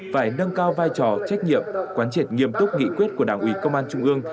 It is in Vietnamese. phải nâng cao vai trò trách nhiệm quán triệt nghiêm túc nghị quyết của đảng ủy công an trung ương